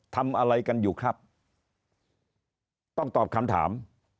ทำอะไรกันอยู่ครับต้องตอบคำถาม